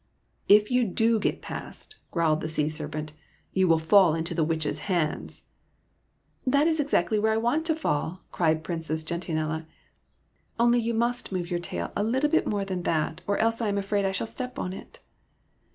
" If you do get past," growled the sea ser pent, '' you will fall into the Witch's hands." '* That is exactly where I want to fall !" cried Princess Gentianella ;'' only you must move your tail a little bit more than that, or else I am afraid I shall step on it."